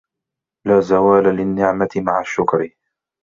لَا زَوَالَ لِلنِّعْمَةِ مَعَ الشُّكْرِ